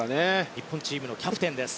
日本チームのキャプテンです。